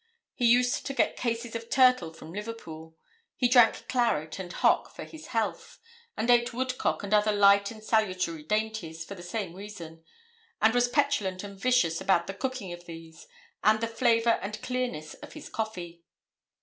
He used to get cases of turtle from Liverpool. He drank claret and hock for his health, and ate woodcock and other light and salutary dainties for the same reason; and was petulant and vicious about the cooking of these, and the flavour and clearness of his coffee.